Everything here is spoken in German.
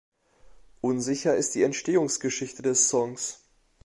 Unsicher ist die Entstehungsgeschichte des Songs.